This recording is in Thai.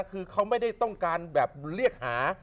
คือเขาไม่ได้ต้องการแบบเรียกหา